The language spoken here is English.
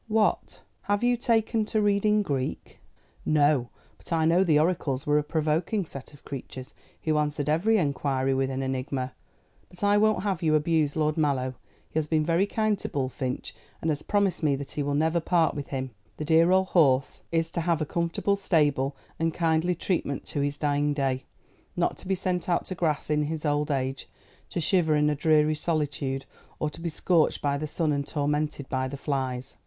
"What, have you taken to reading Greek?" "No; but I know the oracles were a provoking set of creatures who answered every inquiry with an enigma. But I won't have you abuse Lord Mallow. He has been very kind to Bullfinch, and has promised me that he will never part with him. The dear old horse is to have a comfortable stable and kindly treatment to his dying day not to be sent out to grass in his old age, to shiver in a dreary solitude, or to be scorched by the sun and tormented by the flies."